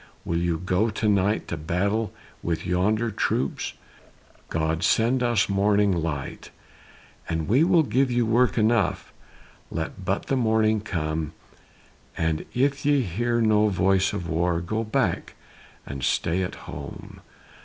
will you go to night To battle it with yonder troops, God send us morning light, And we will give you work enough: Let but the morning come, And if ye hear no voice of war Go back and stay at home."